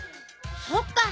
そっか。